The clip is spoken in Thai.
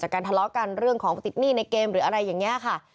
จากการทะเลาะกันเรื่องของปฏิติหนี้ในเกมหรืออะไรแบบนี้ค่ะ